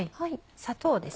砂糖です。